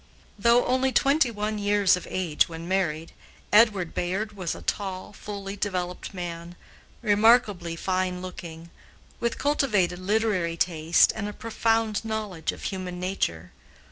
Though only twenty one years of age when married, Edward Bayard was a tall, fully developed man, remarkably fine looking, with cultivated literary taste and a profound knowledge of human nature.